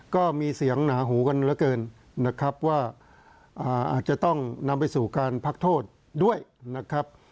ก็มีเสียงหนาหูกันเหลือเกินนะครับว่าอาจจะต้องนำไปสู่การพักโทษด้วยนะครับ